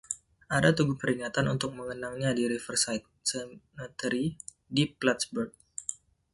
Ada tugu peringatan untuk mengenangnya di Riverside Cemetery di Plattsburgh.